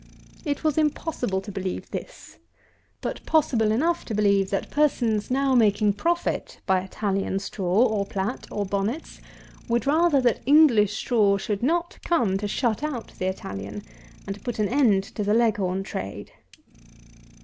It was impossible to believe this; but possible enough to believe, that persons now making profit by Italian straw, or plat, or bonnets, would rather that English straw should come to shut out the Italian and to put an end to the Leghorn trade.